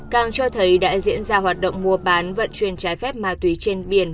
càng cho thấy đã diễn ra hoạt động mua bán vận chuyển trái phép ma túy trên biển